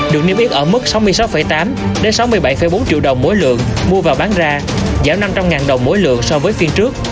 được niêm yết ở mức sáu mươi sáu tám sáu mươi bảy bốn triệu đồng mỗi lượng mua vào bán ra giảm năm trăm linh đồng mỗi lượng so với phiên trước